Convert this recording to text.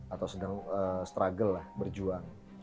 atau sedang struggle lah berjuang